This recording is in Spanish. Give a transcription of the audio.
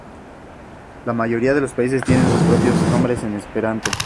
La mayoría de los países tienen sus propios nombres en esperanto.